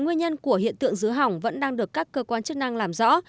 nguyên nhân của hiện tượng dứa hỏng vẫn đang được các cơ quan chức năng làm rõ